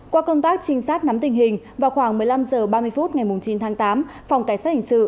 qua công tác trinh sát nắm tình hình vào khoảng một mươi năm h ba mươi phút ngày chín tháng tám phòng cảnh sát hình sự